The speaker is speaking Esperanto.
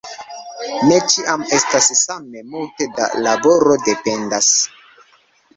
Ne ĉiam estas same multe da laboro; dependas.